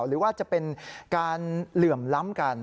หรือว่าจะเป็นการเหลื่อมล้ำกัน